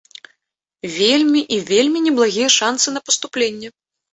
Вельмі і вельмі неблагія шанцы на паступленне.